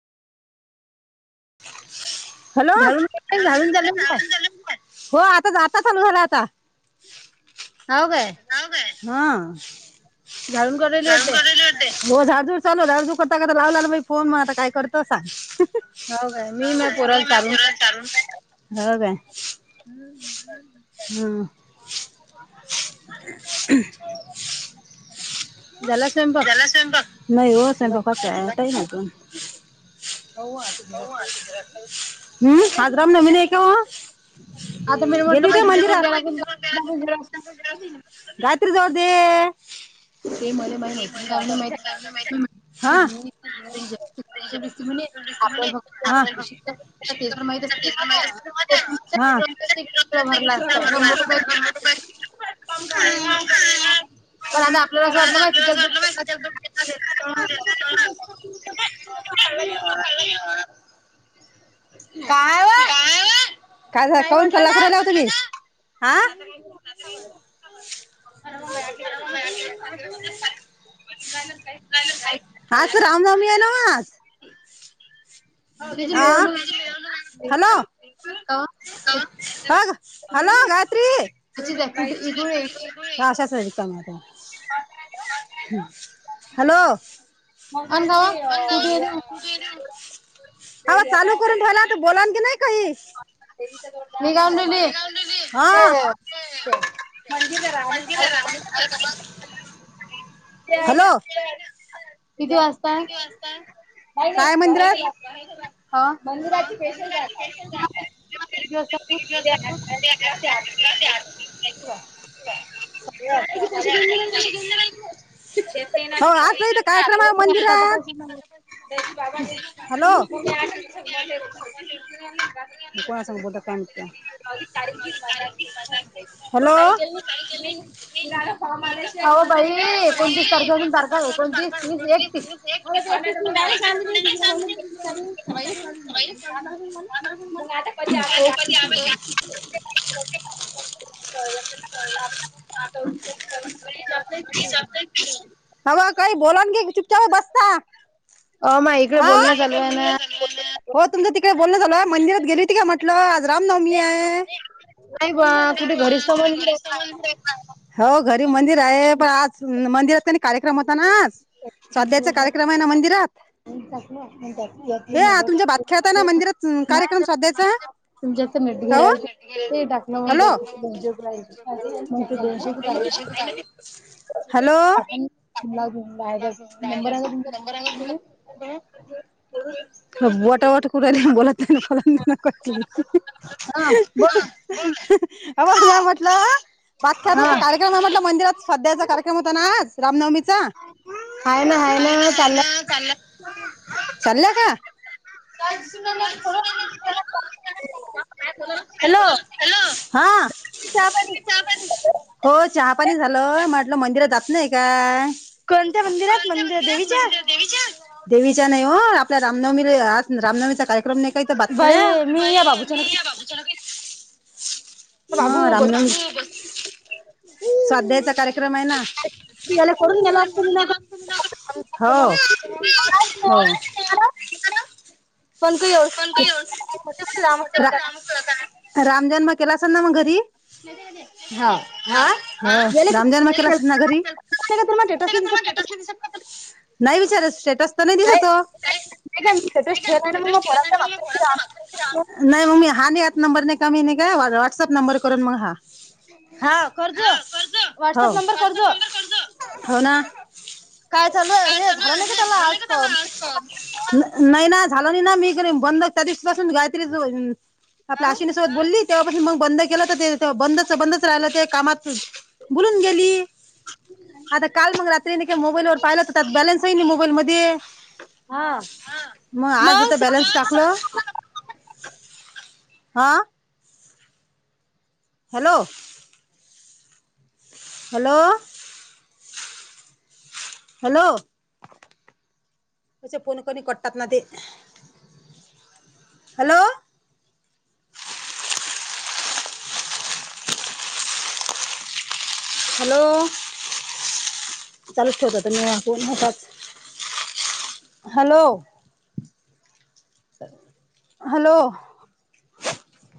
Hello. हो आता जाता चालू झाला आता. हाव काय? हां. झाडून काडाली वाट? हो झाड जुड चालू ह झाड झुड करता करता लावलाला बाई फोन मग आता काय करत सांग. हाव काय? मी माय पोरला चारून हो काय? हम्म. ह. झाला स्वयंपाक? नाही हो स्वयंपाक बाकी आहे, टाईम आहे अजून. [unintelligible] हम्म, आज रामनवमी नाही का हो? आता मी म्हटलं बाई [unintelligible] गायत्री जवळ दे. [unintelligible] [unintelligible] [unintelligible] [unintelligible] पण आता आपल्याला अस वाटलं [unintelligible] [inaudible] का? काय झा? काऊन कल्ला करू राहिला ओ तुम्ही? आ? [inaudible] रामनवमी आहे नव आज? [inaudible] आ, हॅलो! का ग! हॅलो गायत्री! त्या अशाच आहे रिकाम्या तेव्हा, हॅलो! हा म चालू करून ठेवला त बोलान की नाही काही? [unintelligible] [unintelligible] [inaudible] [inaudible] किती वाज काय? काही नाही [unintelligible] हा, मंदिराची पेशल जागा आहे. [unintelligible] [unintelligible] आरती चे पैसे देऊन नाही राहिली ना. देते ना ती पैसे [unintelligible] त्याचे बाबा देतात [unintelligible] कोणी आलं तर [unintelligible] [unintelligible] [inaudible] आव बाई. एकोणतीस तारखेतून तारखा [unintelligible] कोणतीस, तीस, एकतीस. [inaudible] [inaudible] [inaudible] का [inaudible] बा काही बोलान, की चुपचापच बसता. आ, हो तुमचं तिकडे बोलण चालू आहे, मंदिरात गेली होती का म्ह टलं आज राम नवमी आहे. हो घरी मंदिर आहे, पण आज मंदिरात [unintelligible] कार्यक्रम होता ना आज? स्वाध्यायचा कार्यक्रम आहे ना मंदिरात? आईचा सगळ आपलाच आहे. य हे तुमच्या भात खेळताना, मंदिरात कार्यक्रम स्वाध्यायचा हो हॅलो. [unintelligible] हॅलो. [unintelligible] बोटा वाट करून राहिली. बोला की न बोला की करते. अव म्या म्हटलं भात करायच कार्य देव मामाच्या मंदिरात स्वाध्यायचा कार्यक्रम होता ना आज रामनवमीचा. आहे ना आहे ना चाललं. चालल का. [unintelligible] हॅलो. हॅलो हा. तुम्ही जा घरी. चहापाणी. हो चहापाणी झालं. म्हटलं मंदिरात जात नाही काय. कोणत्या मंदिरात? मंदिर देवीच्या देवीच्या नाही हो. आपल्या रामनवमीला आज रामनवमीचा कार्यक्रम नाही काही भातखेळ्या. बाई मी ह्या बाबू च्या भवतीच हा रामनवमी. स्वाध्यायाचा कार्यक्रम आहे ना. हो हो. पण काही अ मोठे मोठे लांब असताना काय राम जन्म केला असेल ना मग घरी? हा रामजन्म केला असल ना घरी? आपले काय तुम्हांला स्टेटस नाही दिसले. नाही विचारत स्टेटस तर नाही दिसतो. नाही का मी स्टेटस ठेवत नाही. पोरांचा माग आणि लाव. नाही. मग्मी हा नाही आत नंबर नाही कमी नाही काय व्हॉट्सअप नंबर करून मग हा. हा करजो वॉट्सअप नंबर करजो. काय चालू आहे. हे झालं नाही का त्याला आज काम? नाही ना. झालं नाही ना. मीकडे बंद त्या दिवसापाासून गायत्री जो आपल्या आश्विनी सोबत बोलली, तेव्हापासून मग बंद केल तर ते बंदच बंदच राहिलं ते कामात बुलून गेली. आता काल मग रात्री न काय मोबाईल वर पाहिलाच तर त्यात बॅलन्स नाही मोबाईल मधी. हा. मावशी. बॅलन्स टाकलं. हा. हॅलो. हॅलो. हॅलो. याच्या कोण कोणी कटतात ना ते. हॅलो. हॅलो. अ चालूच ठेवतात. आणि कोण होता. हॅलो. हॅलो.